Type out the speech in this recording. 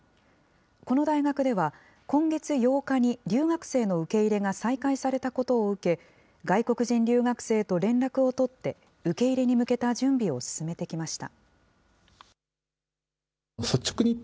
この大学では、今月８日に留学生の受け入れが再開されたことを受け、外国人留学生と連絡を取って、受け入れに向けた準備を進めてきました。